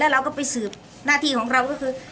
เราก็ไปสืบหน้าที่ของเราก็คือ